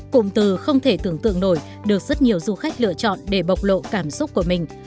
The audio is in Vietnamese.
cụm từ không thể tưởng tượng nổi được rất nhiều du khách lựa chọn để bộc lộ cảm xúc của mình